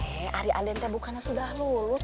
eh ari andte bukannya sudah lulus